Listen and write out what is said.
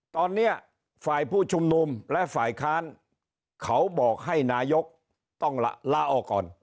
ตอนนี้ฝ่ายผู้ชุมนุมและฝ่ายค้านเขาบอกให้นายกต้องลาออกก่อน